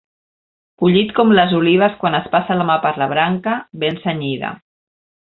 Collit com les olives quan es passa la mà per la branca, ben cenyida.